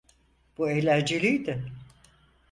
Bu eğlenceliydi.